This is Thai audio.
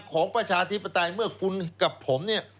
ประชาธิปไตยเมื่อคุณกับผมเนี่ย